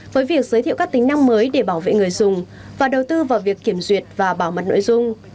với việc giới thiệu các tính năng mới để bảo vệ người dùng và đầu tư vào việc kiểm duyệt và bảo mật nội dung